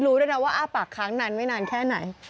รู้ด้วยนะว่าอ้าปากค้างนานไม่นานแค่ไหน